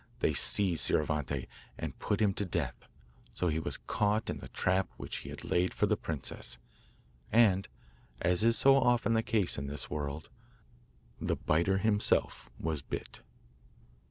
They seized Scioravante and put him to death; so he was caught in the trap which he had laid for the princess and, as is so often the case in this world, the biter himself was bit.